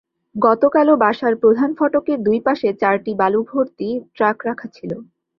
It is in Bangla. গতকালও বাসার প্রধান ফটকের দুই পাশে চারটি বালুভর্তি ট্রাক রাখা ছিল।